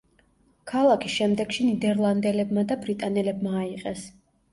ქალაქი შემდეგში ნიდერლანდელებმა და ბრიტანელებმა აიღეს.